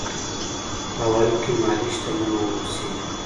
اول کې مالي شتمن واوسي.